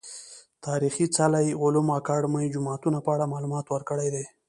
تاريخي څلي، علومو اکادميو، جوماتونه په اړه معلومات ورکړي دي .